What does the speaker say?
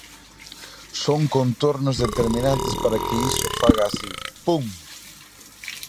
Son contornos determinantes para que iso faga así: pum!